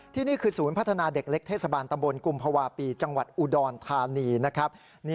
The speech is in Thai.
นี่คือศูนย์พัฒนาเด็กเล็กเทศบาลตะบนกุมภาวะปีจังหวัดอุดรธานีนะครับ